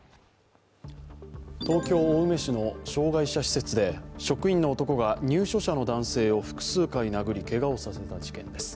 東京・青梅市の障がい者施設で職員の男が入所者の男性を複数回殴り、けがをさせた問題です